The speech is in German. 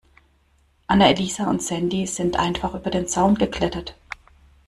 Anna-Elisa und Sandy sind einfach über den Zaun geklettert.